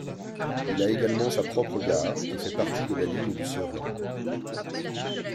Il a également sa propre gare qui fait partie de la ligne du Sørland.